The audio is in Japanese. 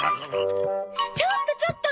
ちょっとちょっと！